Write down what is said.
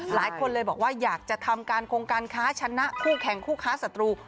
หลายคนเลยบอกว่าอยากจะทำการโครงการค้าชนะคู่แข่งคู่ค้าศัตรู